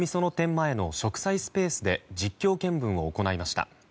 前の植栽スペースで実況見分を行いました。